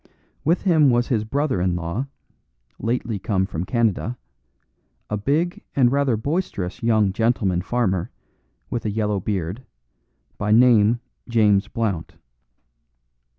With him was his brother in law, lately come from Canada, a big and rather boisterous young gentleman farmer, with a yellow beard, by name James Blount.